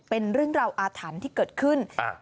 เป็นเรื่องราวอาถรรพ์ที่เกิดขึ้น